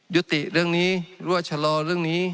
ยุติเรื่องนี้รั่วชะลอเรื่องนี้